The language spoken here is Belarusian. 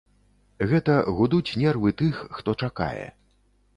Гэта гудуць нервы тых, хто чакае.